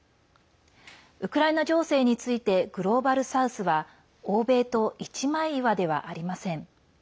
ウクライナ情勢についてグローバル・サウスは欧米と一枚岩ではありません。